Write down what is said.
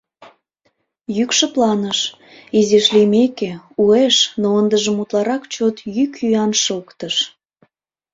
Йӱк шыпланыш, изиш лиймеке, уэш, но ындыжым утларак чот йӱк-йӱан шоктыш.